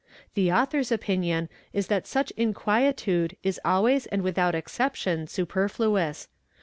The author's opinion is that such inquietude is always and without exception superfluous.